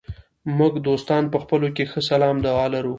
موږ دوستان په خپلو کې ښه سلام دعا لرو.